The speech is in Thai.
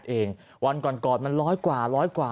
เองวันก่อนก่อนมันร้อยกว่าร้อยกว่า